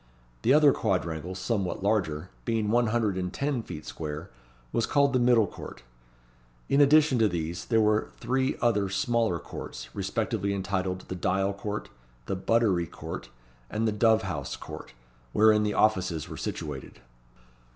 The other quadrangle, somewhat larger, being one hundred and ten feet square, was called the Middle Court. In addition to these, there were three other smaller courts, respectively entitled the Dial Court, the Buttery Court, and the Dove house Court, wherein the offices were situated.